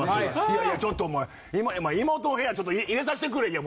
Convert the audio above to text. いやいやちょっとお前妹の部屋ちょっと入れさせてくれいや